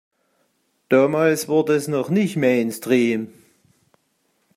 Damals war das noch nicht Mainstream.